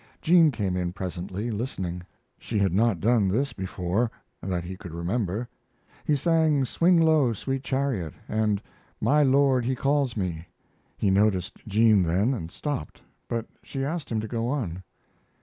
Jean came in presently, listening. She had not done this before, that he could remember. He sang "Swing Low, Sweet Chariot," and "My Lord He Calls Me." He noticed Jean then and stopped, but she asked him to go on.